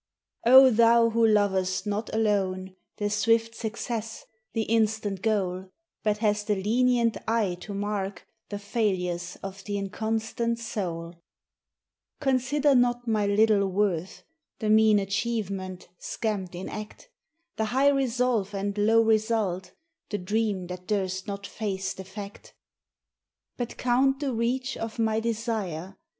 O thou who lovest not alone The swift success, the instant goal, But hast a lenient eye to mark The failures of th' inconstant soul, Consider not my little worth, The mean achievement, scamped in act, The high resolve and low result, The dream that durst not face the fact. But count the reach of my desire.